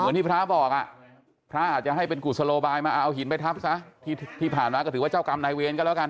ที่พระบอกอ่ะพระอาจจะให้เป็นกุศโลบายมาเอาหินไปทับซะที่ผ่านมาก็ถือว่าเจ้ากรรมนายเวรก็แล้วกัน